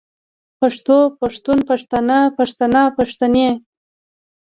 پښتو پښتون پښتانۀ پښتنه پښتنې